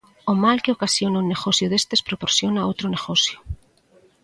O mal que ocasiona un negocio destes proporciona outro negocio.